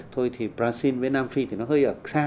thôi thì brazil với nam phi thì nó hơi ở xa